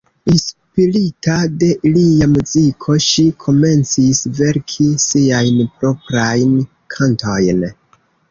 Inspirita de ilia muziko, ŝi komencis verki siajn proprajn kantojn.